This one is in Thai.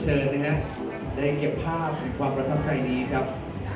เชิญนะครับได้เก็บภาพแห่งความประทับใจนี้ครับ